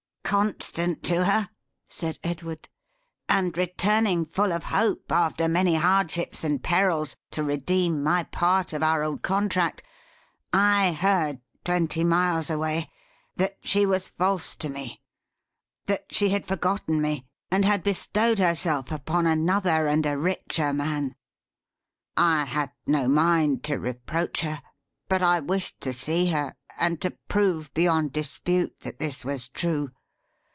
"Constant to her," said Edward, "and returning, full of hope, after many hardships and perils, to redeem my part of our old contract, I heard, twenty miles away, that she was false to me; that she had forgotten me; and had bestowed herself upon another and a richer man. I had no mind to reproach her; but I wished to see her, and to prove beyond dispute that this was true.